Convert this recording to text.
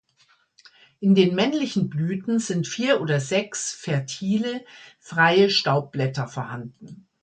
In den männlichen Blüten sind vier oder sechs fertile, freie Staubblätter vorhanden.